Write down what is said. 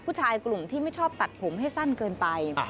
ผู้ชายกลุ่มที่ไม่ชอบตัดผมให้สั้นเกินไป